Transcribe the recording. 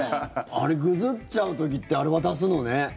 あれ、ぐずっちゃう時ってあれ、渡すのね。